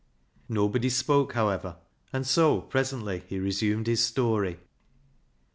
Nobody spoke, however, and so presently he resumed his story.